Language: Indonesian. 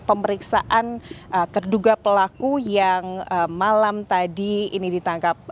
pemeriksaan terduga pelaku yang malam tadi ini ditangkap